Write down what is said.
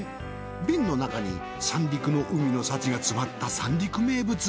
瓶の中に三陸の海の幸が詰まった三陸名物。